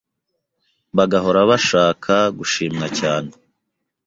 bagahora bashaka gushimwa cyane